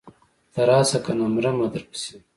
ته راشه کنه مرمه درپسې.